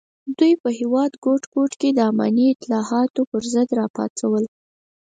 دوی په هېواد ګوټ ګوټ کې د اماني اصلاحاتو پر ضد راپاڅول.